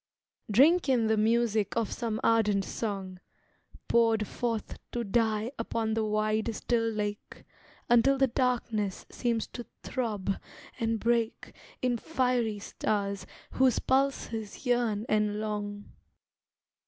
Drink in the music of some ardent song, Poured forth to die upon the wide, still lake, Until the darkness seems to throb and break In fiery stars whose pulses yearn and long.